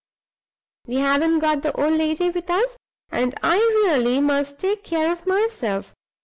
We haven't got the old lady with us; and I really must take care of myself.